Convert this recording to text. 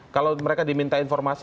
kalau mereka diminta informasi